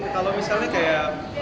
kalau misalnya kayak